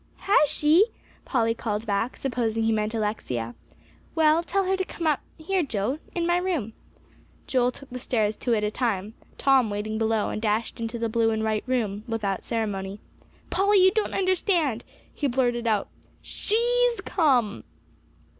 "Has she?" Polly called back, supposing he meant Alexia. "Well, tell her to come up here, Joe, in my room." Joel took the stairs two at a time, Tom waiting below, and dashed into the blue and white room without ceremony. "Polly, you don't understand," he blurted out; "she's come!"